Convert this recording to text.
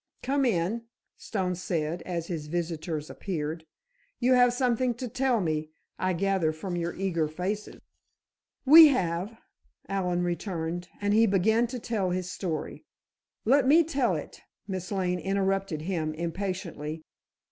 "Come in," Stone said, as his visitors appeared. "You have something to tell me, I gather from your eager faces." "We have," Allen returned, and he began to tell his story. "Let me tell it," Miss Lane interrupted him, impatiently.